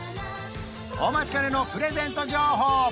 お待ちかねのプレゼント情報